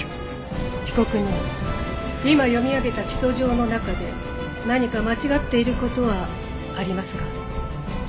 被告人今読み上げた起訴状の中で何か間違っている事はありますか？